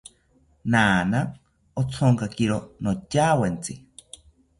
Naana othonkakiro ontyawetzi